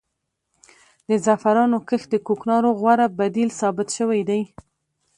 د زعفرانو کښت د کوکنارو غوره بدیل ثابت شوی دی.